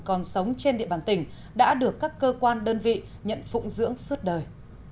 còn sống trên địa bàn tỉnh đã được các cơ quan đơn vị nhận phụng dưỡng suốt đời